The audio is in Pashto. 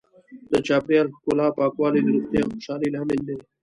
د چاپیریال ښکلا او پاکوالی د روغتیا او خوشحالۍ لامل دی.